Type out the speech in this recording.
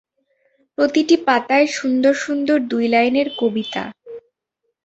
প্রতিটি পাতায় সুন্দর-সুন্দর দুই লাইনের কবিতা।